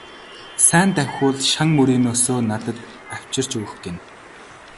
Сайн давхивал шан мөрийнөөсөө надад авчирч өгөх гэнэ.